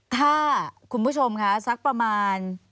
ถ้าคุณผู้ชมค่ะสักประมาณ